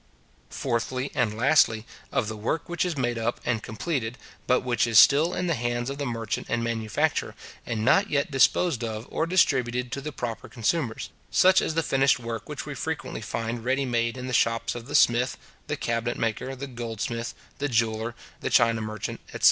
Fourthly, and lastly, of the work which is made up and completed, but which is still in the hands of the merchant and manufacturer, and not yet disposed of or distributed to the proper consumers; such as the finished work which we frequently find ready made in the shops of the smith, the cabinet maker, the goldsmith, the jeweller, the china merchant, etc.